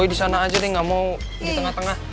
boy di sana aja nih gak mau di tengah tengah